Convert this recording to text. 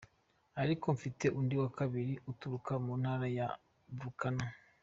Ariko mfite undi wa kabiri uturuka mu Ntara ya Bulacan.